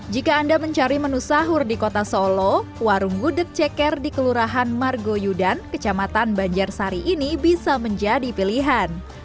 jika anda mencari menu sahur di kota solo warung gudeg ceker di kelurahan margoyudan kecamatan banjarsari ini bisa menjadi pilihan